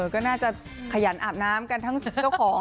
ก็น่าจะขยันอาบน้ำกันทั้งเจ้าของ